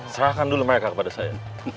serahkan dulu mereka kepada saya